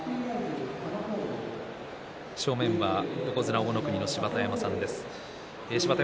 正面は横綱大乃国の芝田山さんです。